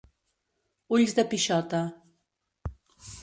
Ulls de pixota.